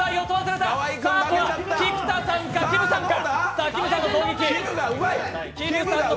菊田さんかきむさんか。